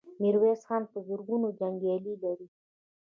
ميرويس خان په زرګونو جنګيالي لري.